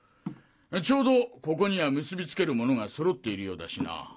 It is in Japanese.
ちょうどここには結びつける物がそろっているようだしなぁ。